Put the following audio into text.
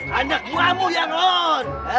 hanya gua mu yang on